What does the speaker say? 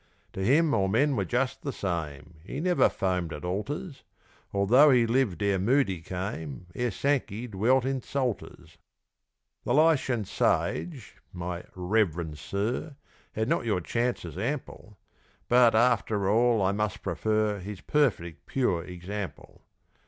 To him all men were just the same He never foamed at altars, Although he lived ere Moody came Ere Sankey dealt in psalters. The Lycian sage, my "reverend" sir, Had not your chances ample; But, after all, I must prefer His perfect, pure example.